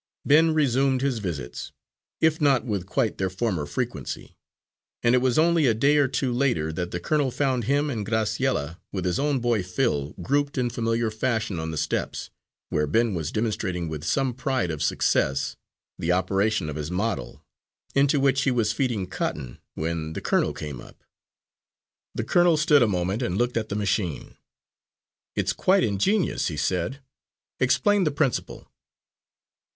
Ben resumed his visits, if not with quite their former frequency, and it was only a day or two later that the colonel found him and Graciella, with his own boy Phil, grouped in familiar fashion on the steps, where Ben was demonstrating with some pride of success, the operation of his model, into which he was feeding cotton when the colonel came up. The colonel stood a moment and looked at the machine. "It's quite ingenious," he said. "Explain the principle."